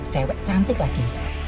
cewek cantik lagi